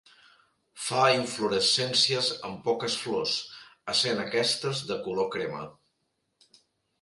Fa inflorescències amb poques flors, essent aquestes de color crema.